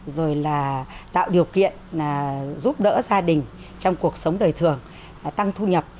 rồi là tạo điều kiện giúp đỡ gia đình trong cuộc sống đời thường tăng thu nhập